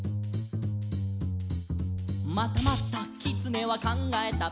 「またまたきつねはかんがえた」